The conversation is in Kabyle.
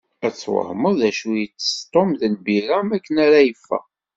Ad twehmeḍ d acu itess Tom d lbira makken ara yeffeɣ.